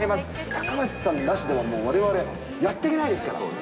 高梨さんなしではわれわれ、やっていけないですから。